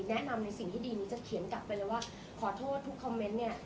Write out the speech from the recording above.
ในสิ่งที่ดีมิ้นจะเขียนกลับไปเลยว่าขอโทษทุกคอมเมนต์เนี่ย